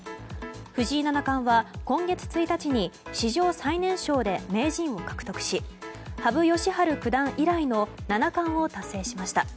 藤井七冠は今月１日に史上最年少で名人を獲得し羽生善治九段以来の七冠を達成しました。